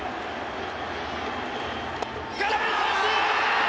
空振り三振！